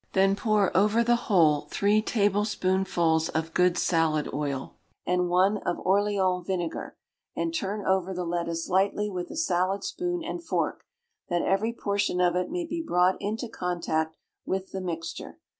Then pour over the whole three tablespoonfuls of good salad oil and one of Orléans vinegar, and turn over the lettuce lightly with a salad spoon and fork, that every portion of it may be brought into contact with the mixture.